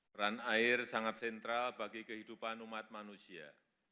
peran air sangat sentral bagi kehidupan umat manusia